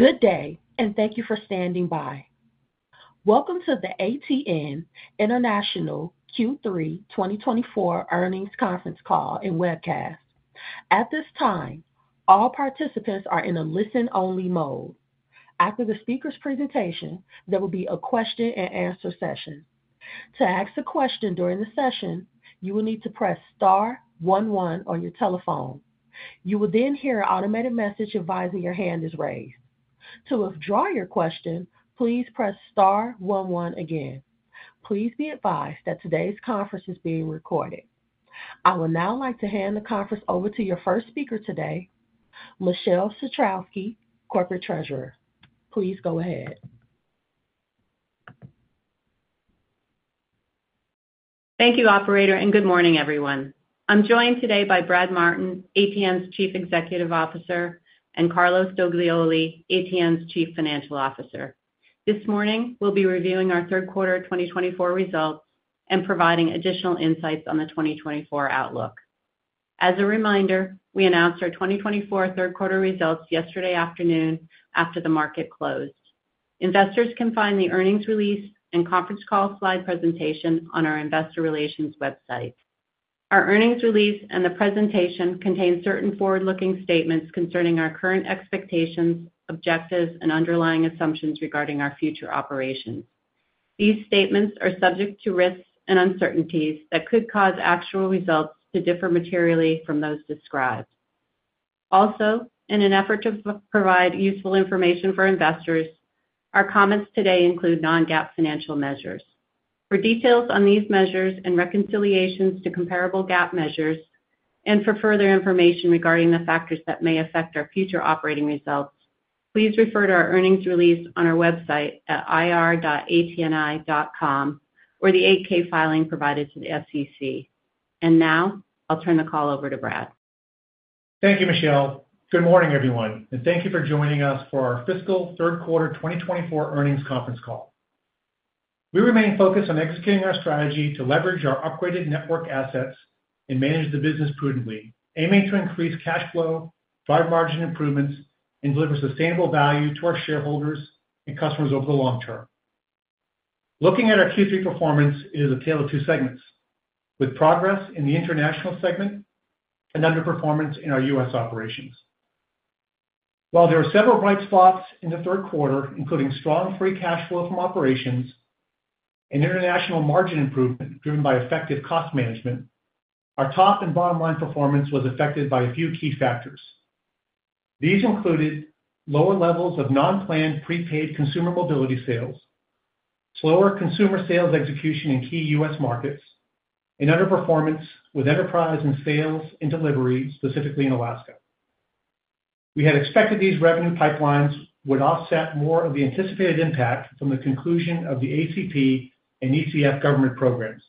Good day, and thank you for standing by. Welcome to the ATN International Q3 2024 Earnings Conference Call and Webcast. At this time, all participants are in a listen-only mode. After the speaker's presentation, there will be a question-and-answer session. To ask a question during the session, you will need to press star one one on your telephone. You will then hear an automated message advising your hand is raised. To withdraw your question, please press star one one again. Please be advised that today's conference is being recorded. I would now like to hand the conference over to your first speaker today, Michele Satrowsky, Corporate Treasurer. Please go ahead. Thank you, Operator, and good morning, everyone. I'm joined today by Brad Martin, ATN's Chief Executive Officer, and Carlos Doglioli, ATN's Chief Financial Officer. This morning, we'll be reviewing our third quarter 2024 results and providing additional insights on the 2024 outlook. As a reminder, we announced our 2024 third quarter results yesterday afternoon after the market closed. Investors can find the earnings release and conference call slide presentation on our Investor Relations website. Our earnings release and the presentation contain certain forward-looking statements concerning our current expectations, objectives, and underlying assumptions regarding our future operations. These statements are subject to risks and uncertainties that could cause actual results to differ materially from those described. Also, in an effort to provide useful information for investors, our comments today include non-GAAP financial measures. For details on these measures and reconciliations to comparable GAAP measures, and for further information regarding the factors that may affect our future operating results, please refer to our earnings release on our website at ir.atni.com or the 8-K filing provided to the SEC, and now I'll turn the call over to Brad. Thank you, Michele. Good morning, everyone, and thank you for joining us for our fiscal third quarter 2024 earnings conference call. We remain focused on executing our strategy to leverage our upgraded network assets and manage the business prudently, aiming to increase cash flow, drive margin improvements, and deliver sustainable value to our shareholders and customers over the long term. Looking at our Q3 performance, it is a tale of two segments, with progress in the international segment and underperformance in our U.S. operations. While there were several bright spots in the third quarter, including strong free cash flow from operations and international margin improvement driven by effective cost management, our top and bottom line performance was affected by a few key factors. These included lower levels of non-planned prepaid consumer mobility sales, slower consumer sales execution in key U.S. markets, and underperformance with enterprise and sales and delivery, specifically in Alaska. We had expected these revenue pipelines would offset more of the anticipated impact from the conclusion of the ACP and ECF government programs,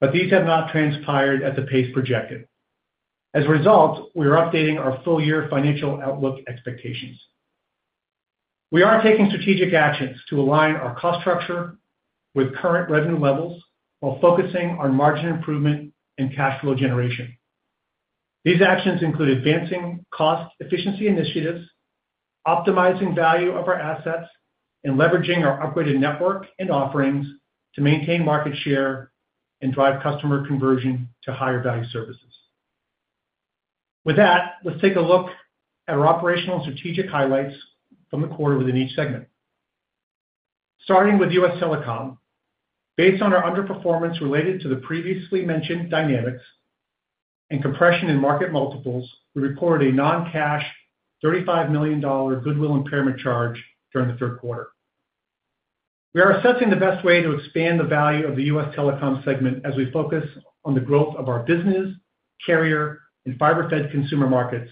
but these have not transpired at the pace projected. As a result, we are updating our full-year financial outlook expectations. We are taking strategic actions to align our cost structure with current revenue levels while focusing on margin improvement and cash flow generation. These actions include advancing cost efficiency initiatives, optimizing value of our assets, and leveraging our upgraded network and offerings to maintain market share and drive customer conversion to higher value services. With that, let's take a look at our operational and strategic highlights from the quarter within each segment. Starting with U.S. telecom, based on our underperformance related to the previously mentioned dynamics and compression in market multiples, we recorded a non-cash $35 million goodwill impairment charge during the third quarter. We are assessing the best way to expand the value of the U.S. telecom segment as we focus on the growth of our business, carrier, and fiber-fed consumer markets,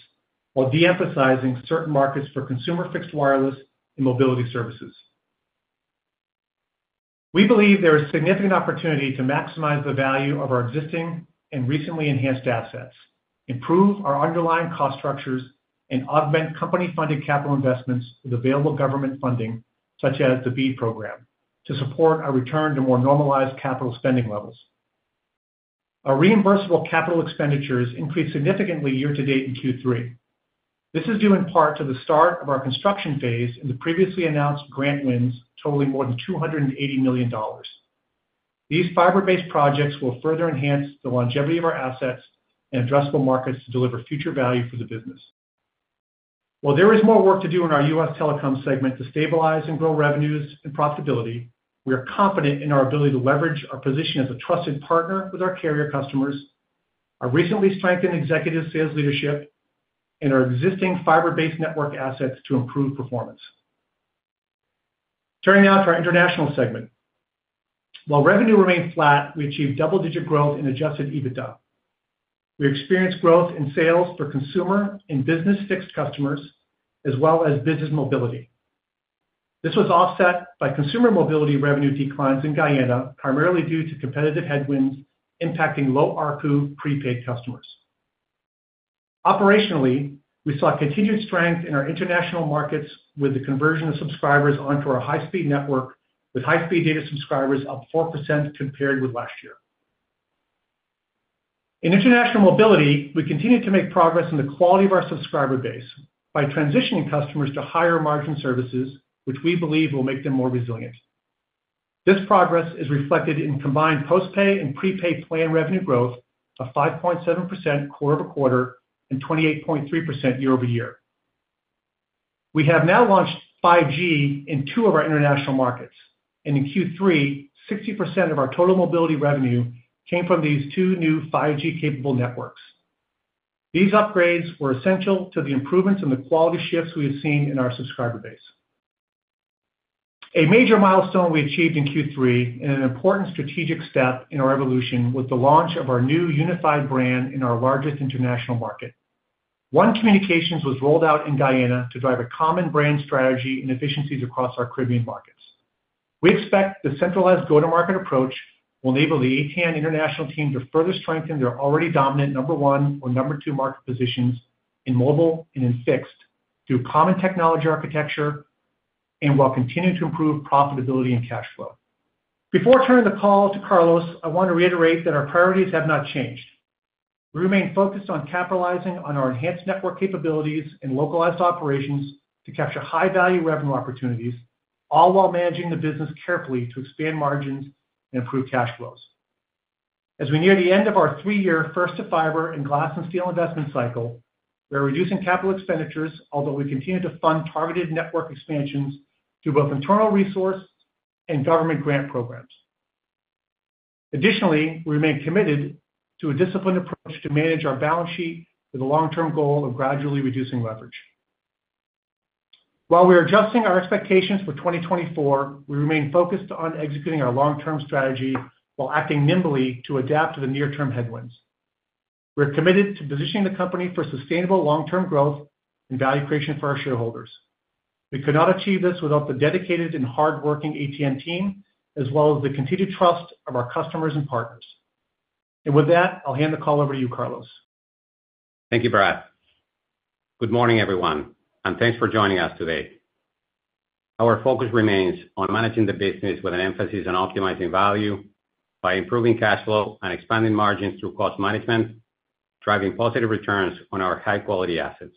while de-emphasizing certain markets for consumer fixed wireless and mobility services. We believe there is significant opportunity to maximize the value of our existing and recently enhanced assets, improve our underlying cost structures, and augment company-funded capital investments with available government funding, such as the BEAD Program, to support our return to more normalized capital spending levels. Our reimbursable capital expenditures increased significantly year-to-date in Q3. This is due in part to the start of our construction phase in the previously announced grant wins, totaling more than $280 million. These fiber-based projects will further enhance the longevity of our assets and addressable markets to deliver future value for the business. While there is more work to do in our U.S. telecom segment to stabilize and grow revenues and profitability, we are confident in our ability to leverage our position as a trusted partner with our carrier customers, our recently strengthened executive sales leadership, and our existing fiber-based network assets to improve performance. Turning now to our international segment. While revenue remained flat, we achieved double-digit growth in Adjusted EBITDA. We experienced growth in sales for consumer and business fixed customers, as well as business mobility. This was offset by consumer mobility revenue declines in Guyana, primarily due to competitive headwinds impacting low ARCU prepaid customers. Operationally, we saw continued strength in our international markets with the conversion of subscribers onto our high-speed network, with high-speed data subscribers up 4% compared with last year. In international mobility, we continue to make progress in the quality of our subscriber base by transitioning customers to higher margin services, which we believe will make them more resilient. This progress is reflected in combined post-pay and prepay plan revenue growth of 5.7% quarter-over-quarter and 28.3% year-over-year. We have now launched 5G in two of our international markets, and in Q3, 60% of our total mobility revenue came from these two new 5G-capable networks. These upgrades were essential to the improvements in the quality shifts we have seen in our subscriber base. A major milestone we achieved in Q3 and an important strategic step in our evolution was the launch of our new unified brand in our largest international market. One Communications was rolled out in Guyana to drive a common brand strategy and efficiencies across our Caribbean markets. We expect the centralized go-to-market approach will enable the ATN International team to further strengthen their already dominant number one or number two market positions in mobile and in fixed through common technology architecture and while continuing to improve profitability and cash flow. Before turning the call to Carlos, I want to reiterate that our priorities have not changed. We remain focused on capitalizing on our enhanced network capabilities and localized operations to capture high-value revenue opportunities, all while managing the business carefully to expand margins and improve cash flows. As we near the end of our three-year first-to-fiber and glass-and-steel investment cycle, we are reducing capital expenditures, although we continue to fund targeted network expansions through both internal resource and government grant programs. Additionally, we remain committed to a disciplined approach to manage our balance sheet with a long-term goal of gradually reducing leverage. While we are adjusting our expectations for 2024, we remain focused on executing our long-term strategy while acting nimbly to adapt to the near-term headwinds. We are committed to positioning the company for sustainable long-term growth and value creation for our shareholders. We could not achieve this without the dedicated and hardworking ATN team, as well as the continued trust of our customers and partners. And with that, I'll hand the call over to you, Carlos. Thank you, Brad. Good morning, everyone, and thanks for joining us today. Our focus remains on managing the business with an emphasis on optimizing value by improving cash flow and expanding margins through cost management, driving positive returns on our high-quality assets.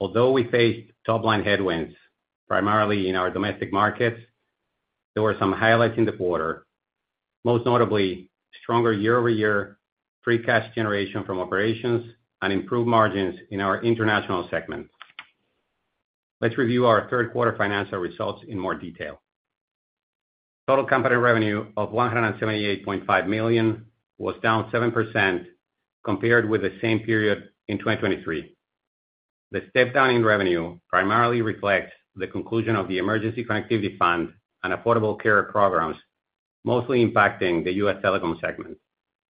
Although we faced top-line headwinds primarily in our domestic markets, there were some highlights in the quarter, most notably stronger year-over-year free cash generation from operations and improved margins in our international segment. Let's review our third-quarter financial results in more detail. Total company revenue of $178.5 million was down 7% compared with the same period in 2023. The step-down in revenue primarily reflects the conclusion of the Emergency Connectivity Fund and Affordable Connectivity programs, mostly impacting the U.S. telecom segment,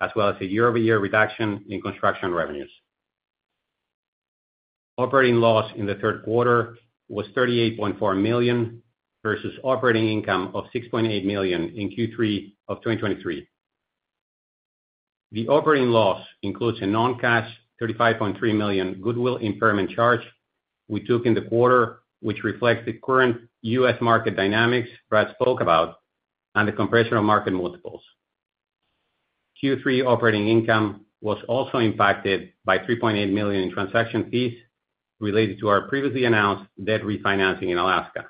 as well as a year-over-year reduction in construction revenues. Operating loss in the third quarter was $38.4 million versus operating income of $6.8 million in Q3 of 2023. The operating loss includes a non-cash $35.3 million goodwill impairment charge we took in the quarter, which reflects the current U.S. market dynamics Brad spoke about and the compression of market multiples. Q3 operating income was also impacted by $3.8 million in transaction fees related to our previously announced debt refinancing in Alaska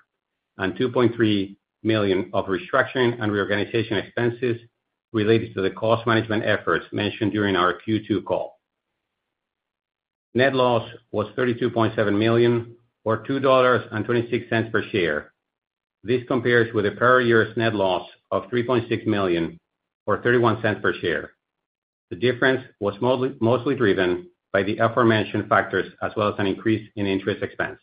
and $2.3 million of restructuring and reorganization expenses related to the cost management efforts mentioned during our Q2 call. Net loss was $32.7 million, or $2.26 per share. This compares with the prior year's net loss of $3.6 million, or $0.31 per share. The difference was mostly driven by the aforementioned factors, as well as an increase in interest expense.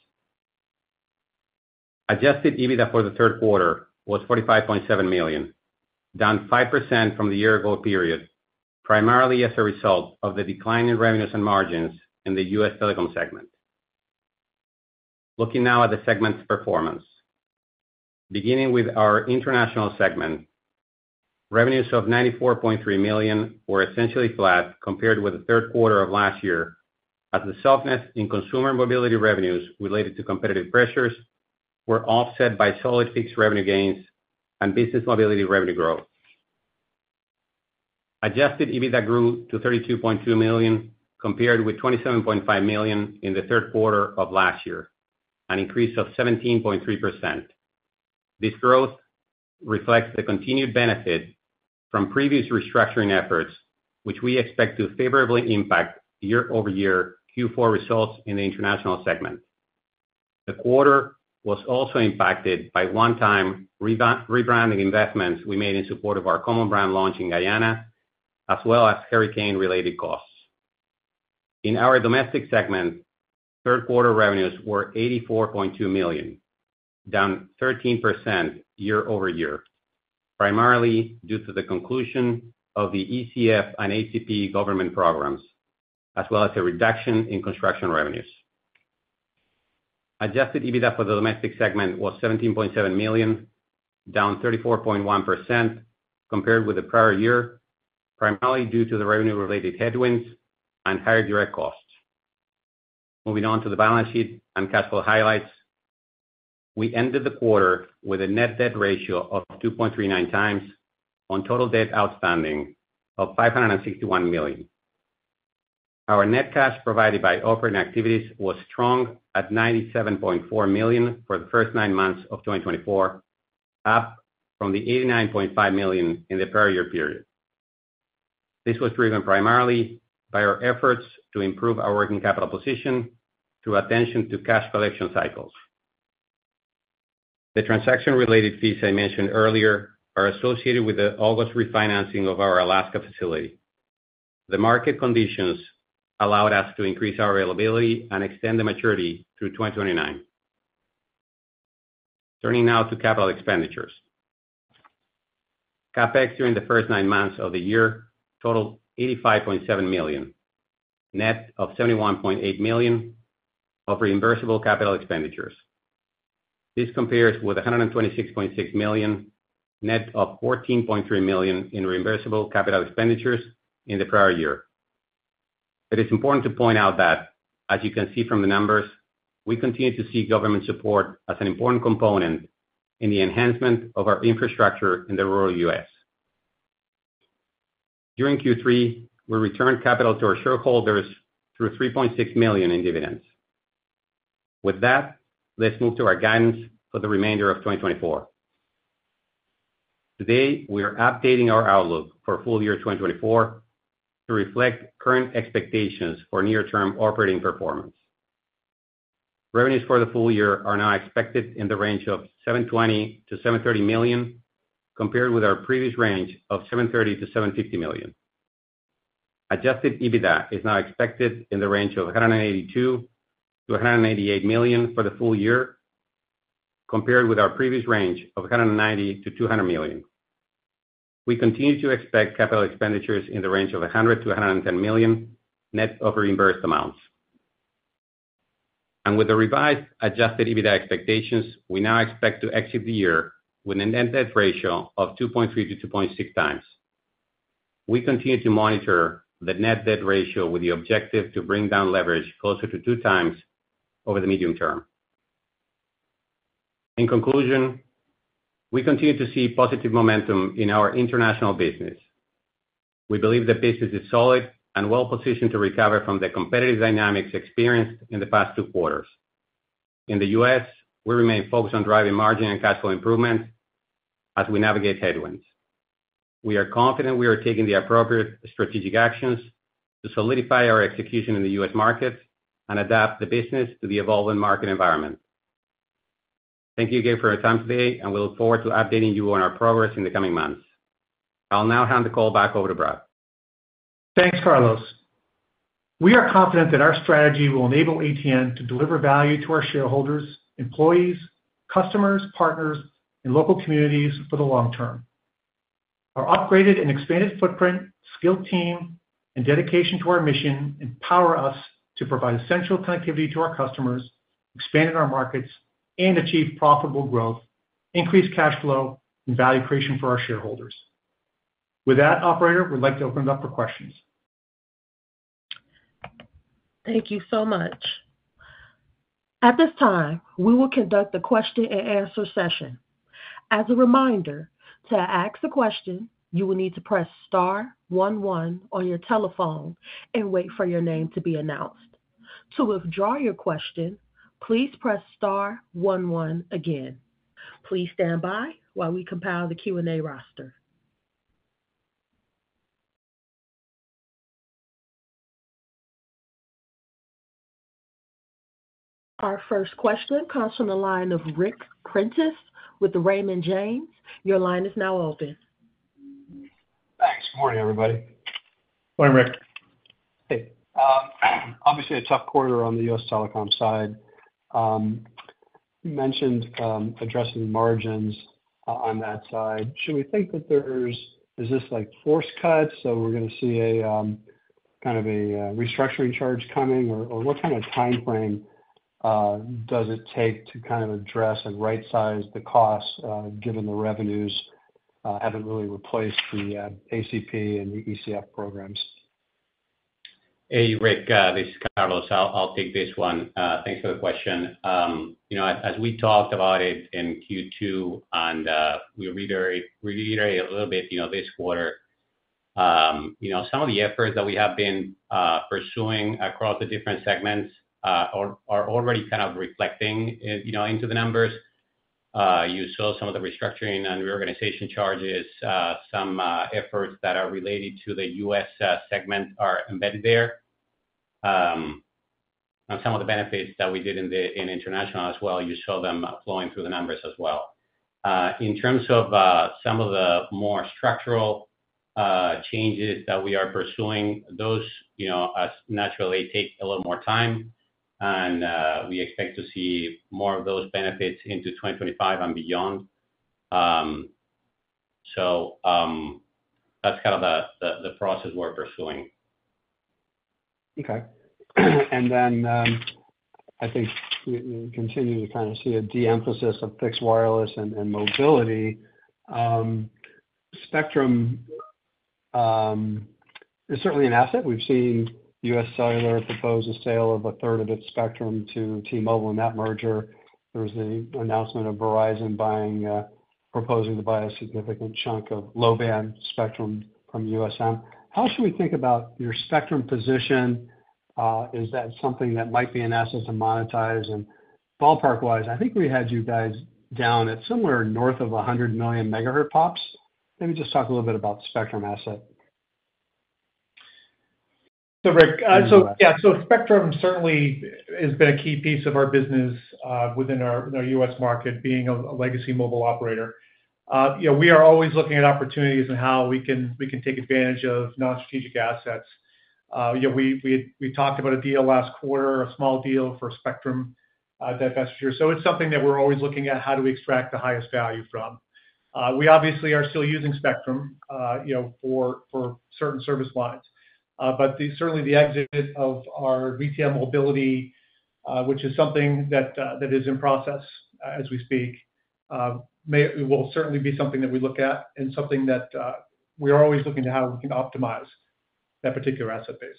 Adjusted EBITDA for the third quarter was $45.7 million, down 5% from the year-ago period, primarily as a result of the decline in revenues and margins in the U.S. telecom segment. Looking now at the segment's performance, beginning with our international segment, revenues of $94.3 million were essentially flat compared with the third quarter of last year, as the softness in consumer mobility revenues related to competitive pressures was offset by solid fixed revenue gains and business mobility revenue growth. Adjusted EBITDA grew to $32.2 million compared with $27.5 million in the third quarter of last year, an increase of 17.3%. This growth reflects the continued benefit from previous restructuring efforts, which we expect to favorably impact year-over-year Q4 results in the international segment. The quarter was also impacted by one-time rebranding investments we made in support of our common brand launch in Guyana, as well as hurricane-related costs. In our domestic segment, third quarter revenues were $84.2 million, down 13% year-over-year, primarily due to the conclusion of the ECF and ACP government programs, as well as a reduction in construction revenues. Adjusted EBITDA for the domestic segment was $17.7 million, down 34.1% compared with the prior year, primarily due to the revenue-related headwinds and higher direct costs. Moving on to the balance sheet and cash flow highlights, we ended the quarter with a net debt ratio of 2.39 times on total debt outstanding of $561 million. Our net cash provided by operating activities was strong at $97.4 million for the first nine months of 2024, up from the $89.5 million in the prior year period. This was driven primarily by our efforts to improve our working capital position through attention to cash collection cycles. The transaction-related fees I mentioned earlier are associated with the August refinancing of our Alaska facility. The market conditions allowed us to increase our availability and extend the maturity through 2029. Turning now to capital expenditures, CapEx during the first nine months of the year totaled $85.7 million, net of $71.8 million of reimbursable capital expenditures. This compares with $126.6 million, net of $14.3 million in reimbursable capital expenditures in the prior year. It is important to point out that, as you can see from the numbers, we continue to see government support as an important component in the enhancement of our infrastructure in the rural U.S. During Q3, we returned capital to our shareholders through $3.6 million in dividends. With that, let's move to our guidance for the remainder of 2024. Today, we are updating our outlook for full year 2024 to reflect current expectations for near-term operating performance. Revenues for the full year are now expected in the range of $720-$730 million, compared with our previous range of $730-$750 million. Adjusted EBITDA is now expected in the range of $182-$188 million for the full year, compared with our previous range of $190-$200 million. We continue to expect capital expenditures in the range of $100-$110 million, net of reimbursed amounts. And with the revised adjusted EBITDA expectations, we now expect to exit the year with a net debt ratio of 2.3-2.6 times. We continue to monitor the net debt ratio with the objective to bring down leverage closer to 2 times over the medium term. In conclusion, we continue to see positive momentum in our international business. We believe the business is solid and well-positioned to recover from the competitive dynamics experienced in the past two quarters. In the U.S., we remain focused on driving margin and cash flow improvements as we navigate headwinds. We are confident we are taking the appropriate strategic actions to solidify our execution in the U.S. markets and adapt the business to the evolving market environment. Thank you again for your time today, and we look forward to updating you on our progress in the coming months. I'll now hand the call back over to Brad. Thanks, Carlos. We are confident that our strategy will enable ATN to deliver value to our shareholders, employees, customers, partners, and local communities for the long term. Our upgraded and expanded footprint, skilled team, and dedication to our mission empower us to provide essential connectivity to our customers, expand in our markets, and achieve profitable growth, increased cash flow, and value creation for our shareholders. With that, Operator, we'd like to open it up for questions. Thank you so much. At this time, we will conduct the question-and-answer session. As a reminder, to ask a question, you will need to press star one one on your telephone and wait for your name to be announced. To withdraw your question, please press star one one again. Please stand by while we compile the Q&A roster. Our first question comes from the line of Ric Prentiss with Raymond James. Your line is now open. Thanks. Good morning, everybody. Morning, Ric. Hey. Obviously, a tough quarter on the U.S. telecom side. You mentioned addressing margins on that side. Should we think that there's, is this like cost cuts? So we're going to see a kind of a restructuring charge coming? Or what kind of timeframe does it take to kind of address and right-size the costs, given the revenues haven't really replaced the ACP and the ECF programs? Hey, Ric, this is Carlos. I'll take this one. Thanks for the question. You know, as we talked about it in Q2 and we reiterated a little bit this quarter, you know, some of the efforts that we have been pursuing across the different segments are already kind of reflecting into the numbers. You saw some of the restructuring and reorganization charges, some efforts that are related to the U.S. segment are embedded there, and some of the benefits that we did in international as well, you saw them flowing through the numbers as well. In terms of some of the more structural changes that we are pursuing, those, you know, naturally take a little more time, and we expect to see more of those benefits into 2025 and beyond, so that's kind of the process we're pursuing. Okay. And then I think we continue to kind of see a de-emphasis of fixed wireless and mobility. Spectrum is certainly an asset. We've seen U.S. Cellular propose a sale of a third of its spectrum to T-Mobile in that merger. There was the announcement of Verizon proposing to buy a significant chunk of low-band spectrum from USM. How should we think about your spectrum position? Is that something that might be an asset to monetize? And ballpark-wise, I think we had you guys down at somewhere north of 100 million megahertz pops. Maybe just talk a little bit about the spectrum asset. So, Ric, so yeah, so spectrum certainly has been a key piece of our business within our U.S. market, being a legacy mobile operator. You know, we are always looking at opportunities and how we can take advantage of non-strategic assets. You know, we talked about a deal last quarter, a small deal for spectrum that we just closed. So it's something that we're always looking at how do we extract the highest value from. We obviously are still using spectrum, you know, for certain service lines, but certainly the exit of our retail mobility, which is something that is in process as we speak, will certainly be something that we look at and something that we are always looking to how we can optimize that particular asset base.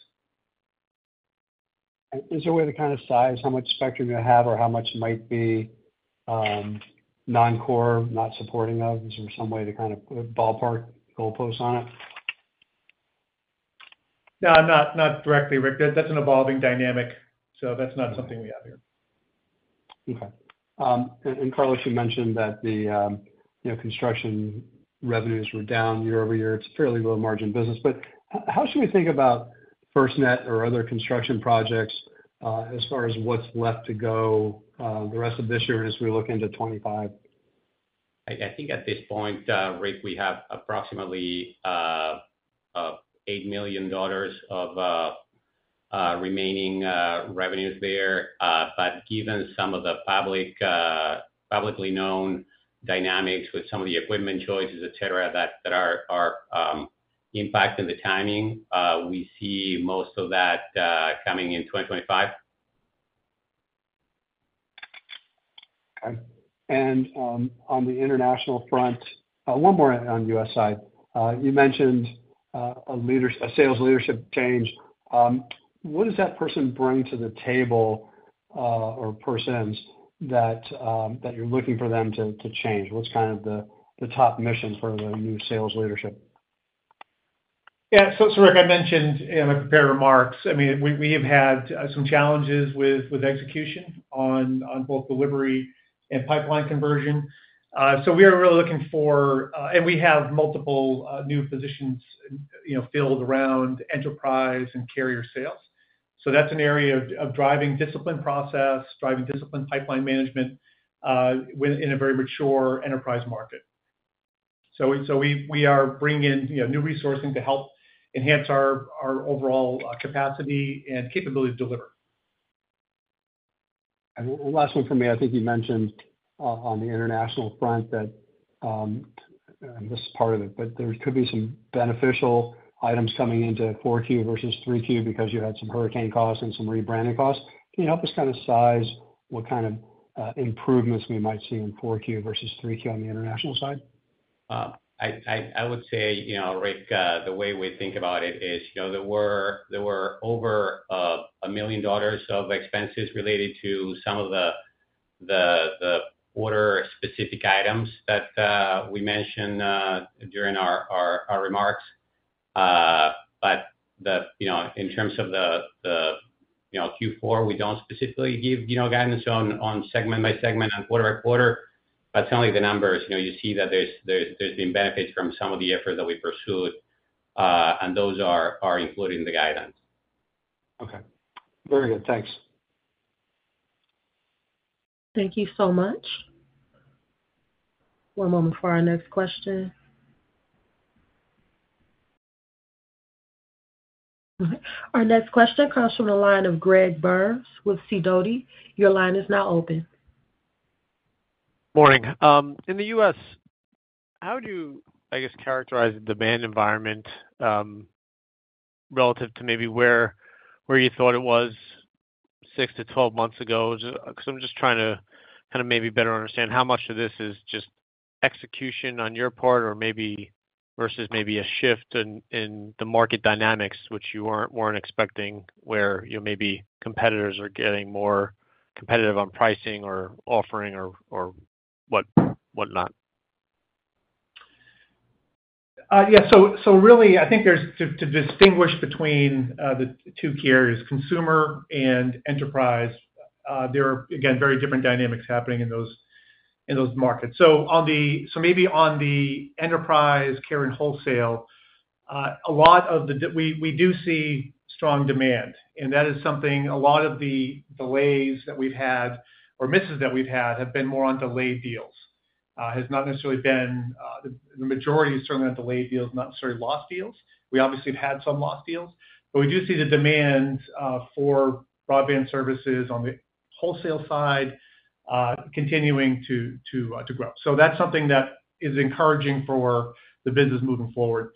Is there a way to kind of size how much spectrum you have or how much might be non-core, not supporting of? Is there some way to kind of ballpark goalposts on it? No, not directly, Ric. That's an evolving dynamic, so that's not something we have here. Okay. And Carlos, you mentioned that the construction revenues were down year-over-year. It's a fairly low-margin business. But how should we think about FirstNet or other construction projects as far as what's left to go the rest of this year as we look into 2025? I think at this point, Ric, we have approximately $8 million of remaining revenues there. But given some of the publicly known dynamics with some of the equipment choices, et cetera, that are impacting the timing, we see most of that coming in 2025. Okay. And on the international front, one more on U.S. side. You mentioned a sales leadership change. What does that person bring to the table or persons that you're looking for them to change? What's kind of the top mission for the new sales leadership? Yeah. So, Ric, I mentioned in my prepared remarks, I mean, we have had some challenges with execution on both delivery and pipeline conversion. So we are really looking for, and we have multiple new positions filled around enterprise and carrier sales. So that's an area of driving discipline process, driving discipline pipeline management in a very mature enterprise market. So we are bringing in new resourcing to help enhance our overall capacity and capability to deliver. Last one for me, I think you mentioned on the international front that, and this is part of it, but there could be some beneficial items coming into 4Q versus 3Q because you had some hurricane costs and some rebranding costs. Can you help us kind of size what kind of improvements we might see in 4Q versus 3Q on the international side? I would say, you know, Ric, the way we think about it is, you know, there were over $1 million of expenses related to some of the quarter-specific items that we mentioned during our remarks. But in terms of the Q4, we don't specifically give guidance on segment by segment and quarter by quarter, but certainly the numbers, you know, you see that there's been benefits from some of the efforts that we pursued, and those are included in the guidance. Okay. Very good. Thanks. Thank you so much. One moment for our next question. Our next question comes from the line of Greg Burns with Sidoti. Your line is now open. Morning. In the U.S., how would you, I guess, characterize the demand environment relative to maybe where you thought it was 6-12 months ago? Because I'm just trying to kind of maybe better understand how much of this is just execution on your part or maybe versus maybe a shift in the market dynamics, which you weren't expecting, where maybe competitors are getting more competitive on pricing or offering or whatnot. Yeah. So really, I think there's a lot to distinguish between the two key areas, consumer and enterprise. There are, again, very different dynamics happening in those markets. So maybe on the enterprise, carrier and wholesale, a lot of what we do see strong demand. And that is something. A lot of the delays that we've had or misses that we've had have been more on delayed deals. It has not necessarily been the majority. It is certainly on delayed deals, not necessarily lost deals. We obviously have had some lost deals, but we do see the demand for broadband services on the wholesale side continuing to grow. So that's something that is encouraging for the business moving forward.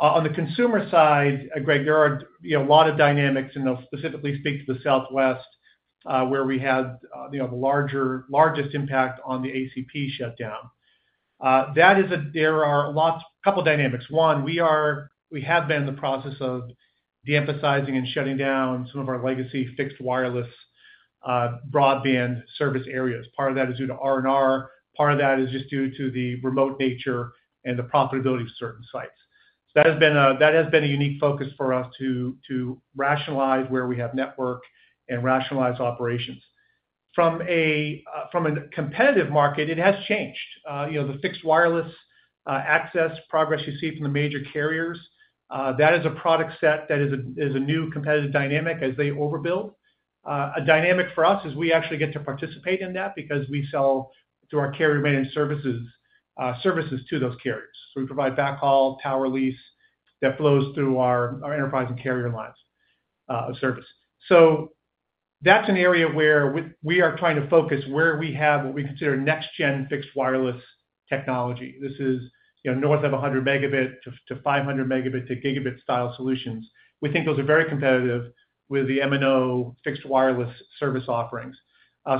On the consumer side, Gregg, there are a lot of dynamics, and I'll specifically speak to the Southwest, where we had the largest impact on the ACP shutdown. There are a couple of dynamics. One, we have been in the process of de-emphasizing and shutting down some of our legacy fixed wireless broadband service areas. Part of that is due to R&R. Part of that is just due to the remote nature and the profitability of certain sites. So that has been a unique focus for us to rationalize where we have network and rationalize operations. From a competitive market, it has changed. You know, the fixed wireless access progress you see from the major carriers, that is a product set that is a new competitive dynamic as they overbuild. A dynamic for us is we actually get to participate in that because we sell through our carrier-managed services to those carriers. So we provide backhaul power lease that flows through our enterprise and carrier lines of service. So that's an area where we are trying to focus where we have what we consider next-gen fixed wireless technology. This is north of 100 Mb to 500 Mb to Gb style solutions. We think those are very competitive with the MNO fixed wireless service offerings.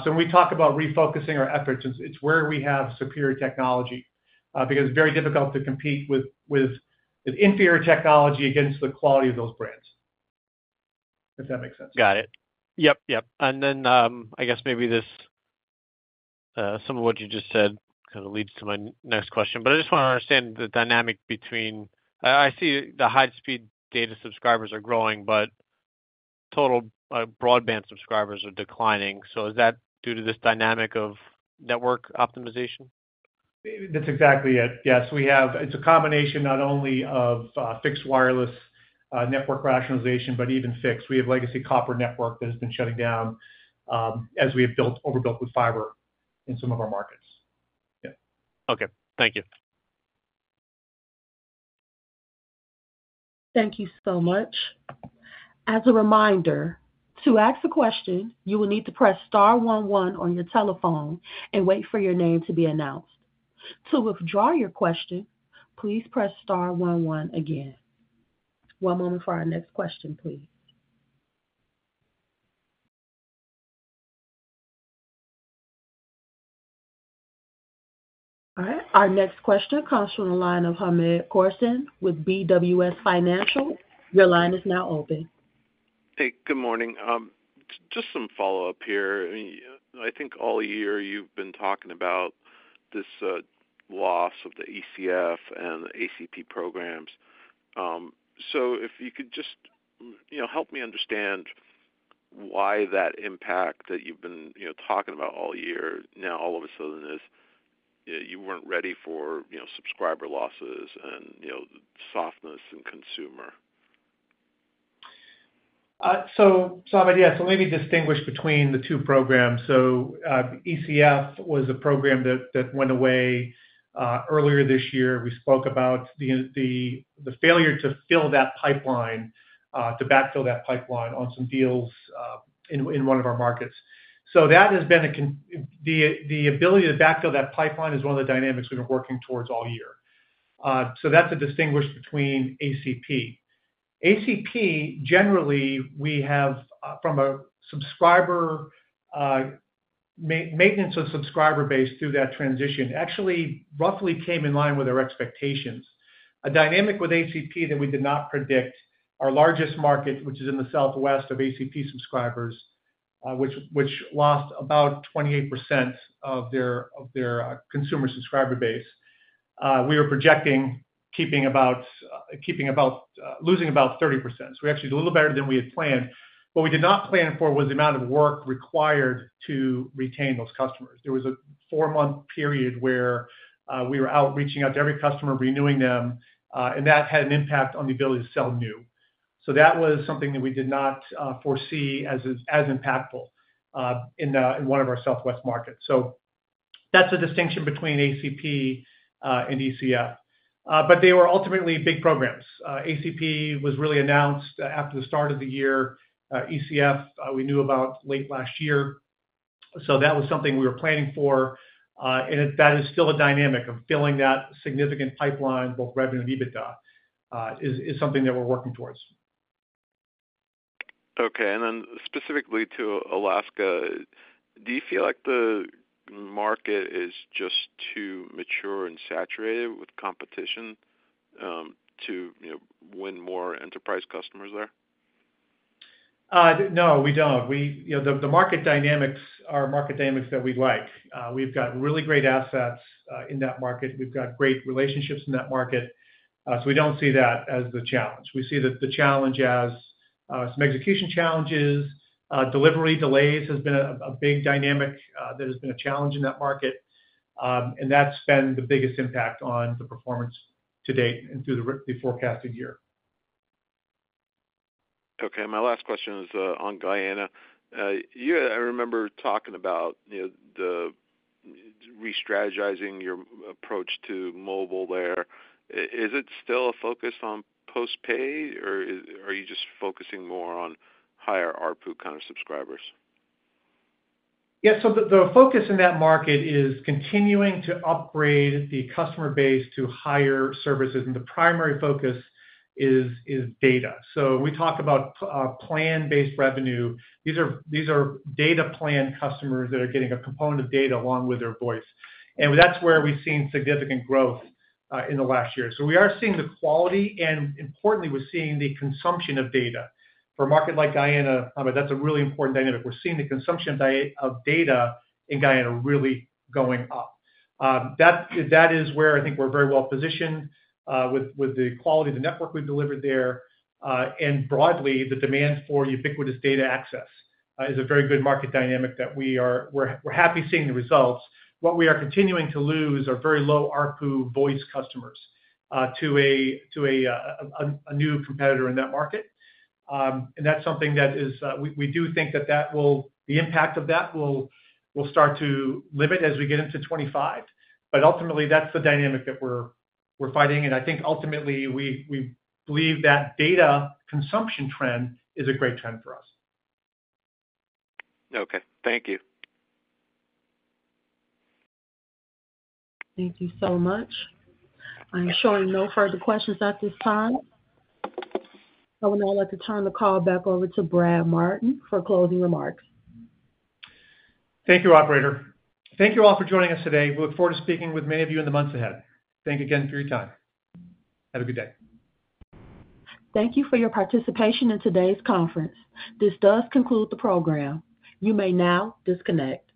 So when we talk about refocusing our efforts, it's where we have superior technology because it's very difficult to compete with inferior technology against the quality of those brands, if that makes sense. Got it. Yep, yep, and then I guess maybe some of what you just said kind of leads to my next question, but I just want to understand the dynamic between, I see the high-speed data subscribers are growing, but total broadband subscribers are declining. So is that due to this dynamic of network optimization? That's exactly it. Yes. It's a combination not only of fixed wireless network rationalization, but even fixed. We have legacy copper network that has been shutting down as we have overbuilt with fiber in some of our markets. Yeah. Okay. Thank you. Thank you so much. As a reminder, to ask a question, you will need to press star 11 on your telephone and wait for your name to be announced. To withdraw your question, please press star 11 again. One moment for our next question, please. All right. Our next question comes from the line of Hamed Khorsand with BWS Financial. Your line is now open. Hey, good morning. Just some follow-up here. I think all year you've been talking about this loss of the ECF and the ACP programs. So if you could just help me understand why that impact that you've been talking about all year now all of a sudden is you weren't ready for subscriber losses and softness in consumer? So yeah, so maybe distinguish between the two programs. So ECF was a program that went away earlier this year. We spoke about the failure to fill that pipeline, to backfill that pipeline on some deals in one of our markets. So that has been the ability to backfill that pipeline is one of the dynamics we've been working towards all year. So that's the distinction between ACP. ACP, generally, we have from a maintenance of subscriber base through that transition actually roughly came in line with our expectations. A dynamic with ACP that we did not predict, our largest market, which is in the Southwest, of ACP subscribers, which lost about 28% of their consumer subscriber base, we were projecting losing about 30%. So we actually did a little better than we had planned. What we did not plan for was the amount of work required to retain those customers. There was a four-month period where we were out reaching out to every customer, renewing them, and that had an impact on the ability to sell new, so that was something that we did not foresee as impactful in one of our Southwest markets, so that's a distinction between ACP and ECF, but they were ultimately big programs. ACP was really announced after the start of the year. ECF, we knew about late last year, so that was something we were planning for, and that is still a dynamic of filling that significant pipeline, both revenue and EBITDA, is something that we're working towards. Okay. And then specifically to Alaska, do you feel like the market is just too mature and saturated with competition to win more enterprise customers there? No, we don't. The market dynamics are market dynamics that we like. We've got really great assets in that market. We've got great relationships in that market. So we don't see that as the challenge. We see the challenge as some execution challenges. Delivery delays has been a big dynamic that has been a challenge in that market. And that's been the biggest impact on the performance to date and through the forecasting year. Okay. My last question is on Guyana. I remember talking about restrategizing your approach to mobile there. Is it still a focus on post-pay, or are you just focusing more on higher RPU kind of subscribers? Yeah. So the focus in that market is continuing to upgrade the customer base to higher services, and the primary focus is data. So we talk about plan-based revenue. These are data plan customers that are getting a component of data along with their voice. And that's where we've seen significant growth in the last year. So we are seeing the quality, and importantly, we're seeing the consumption of data. For a market like Guyana, that's a really important dynamic. We're seeing the consumption of data in Guyana really going up. That is where I think we're very well positioned with the quality of the network we've delivered there. And broadly, the demand for ubiquitous data access is a very good market dynamic that we are happy seeing the results. What we are continuing to lose are very low RPU voice customers to a new competitor in that market. And that's something that we do think that the impact of that will start to limit as we get into 2025. But ultimately, that's the dynamic that we're fighting. And I think ultimately, we believe that data consumption trend is a great trend for us. Okay. Thank you. Thank you so much. I'm showing no further questions at this time. I would now like to turn the call back over to Brad Martin for closing remarks. Thank you, Operator. Thank you all for joining us today. We look forward to speaking with many of you in the months ahead. Thank you again for your time. Have a good day. Thank you for your participation in today's conference. This does conclude the program. You may now disconnect.